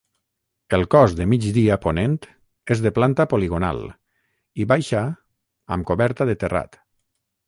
El cos de migdia ponent és de planta poligonal i baixa amb coberta de terrat.